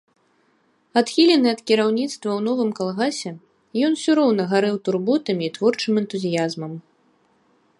Адхілены ад кіраўніцтва ў новым калгасе, ён усё роўна гарэў турботамі і творчым энтузіязмам.